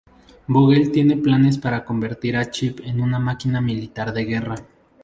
Vogel tiene planes para convertir a Chip en una máquina militar de guerra.